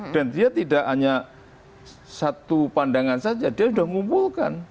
dan dia tidak hanya satu pandangan saja dia sudah mengumpulkan